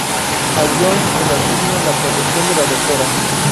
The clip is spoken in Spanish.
A John se le asigna la protección de la "Dra.